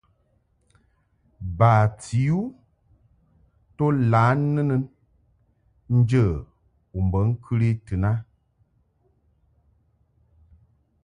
Bati u to lǎ nɨnɨn njə u be ŋkɨli tɨn a.